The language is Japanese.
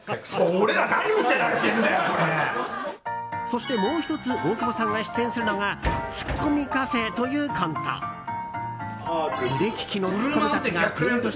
そして、もう１つ大久保さんが出演するのが「ツッコミカフェ」というコント。